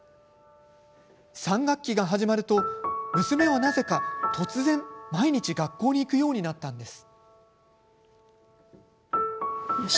３学期が始まると娘は、なぜか突然毎日、学校に行くようになったんです。